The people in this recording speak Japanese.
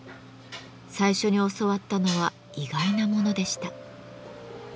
最初に教わったのは意外なものでした。